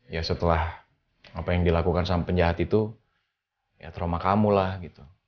ya setelah apa yang dilakukan sama penjahat itu ya trauma kamu lah gitu